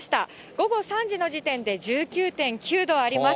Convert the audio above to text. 午後３時の時点で１９．９度あります。